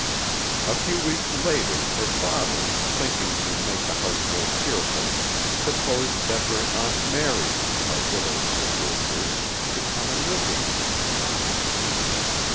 A few weeks later her father, thinking to make the house more cheerful, proposed that her Aunt Mary a widowed sister of his should come and live with them.